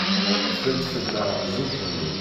Fran-tt fell-aɣ zik-nni.